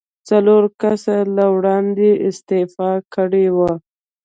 څلورم کس له وړاندې استعفا کړې وه.